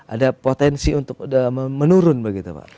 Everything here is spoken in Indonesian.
ada potensi untuk menurun begitu pak